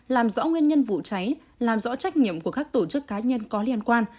làm rõ nguyên nhân vụ cháy làm rõ trách nhiệm của các tổ chức cá nhân có liên quan